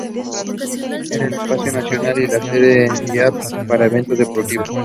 Es el estadio nacional y la sede en Yap para eventos deportivos.